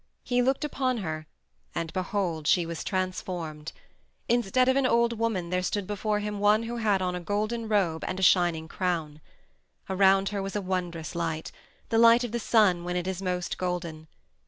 He looked upon her, and behold! she was transformed. Instead of an old woman there stood before him one who had on a golden robe and a shining crown. Around her was a wondrous light the light of the sun when it is most golden.